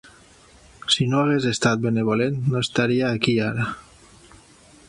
Si no hagués estat benevolent, no estaria aquí ara.